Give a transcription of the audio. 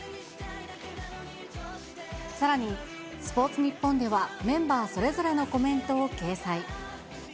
さらに、スポーツニッポンでは、メンバーそれぞれのコメントを掲載。